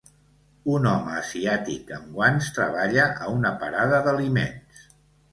Un home asiàtic amb guants treballa a una parada d'aliments.